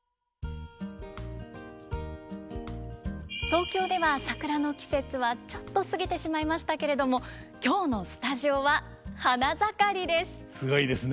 東京では桜の季節はちょっと過ぎてしまいましたけれども今日のスタジオは花盛りです。